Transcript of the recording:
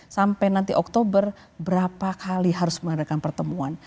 sampai nanti oktober berapa kali harus mengadakan pertemuan